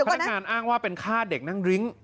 พนักงานอ้างว่าเป็นค่าเด็กนั่งดริ้ง